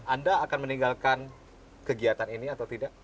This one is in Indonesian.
anda akan meninggalkan kegiatan ini atau tidak